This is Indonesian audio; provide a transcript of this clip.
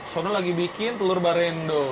soalnya lagi bikin telur barendo